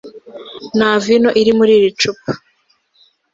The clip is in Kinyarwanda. nta vino iri muri icupa